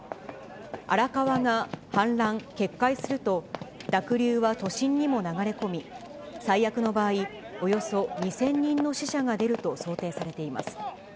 荒川が氾濫、決壊すると、濁流は都心にも流れ込み、最悪の場合、およそ２０００人の死者が出ると想定されています。